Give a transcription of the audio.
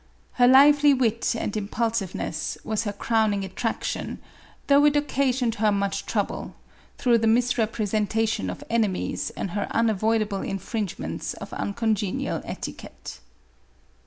Her lively wit and impulsiveness was her crowning attraction, though it occasioned her much trouble, through the misrepre sentation of enemies and her unavoidable infringements of uncongenial etiquette.